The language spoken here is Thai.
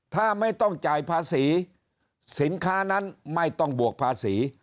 ถ้าไม่ต้องจ่ายภาษีสินค้านั้นไม่ต้องบวกภาษี